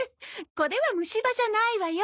これは虫歯じゃないわよ。